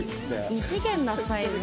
異次元なサイズの。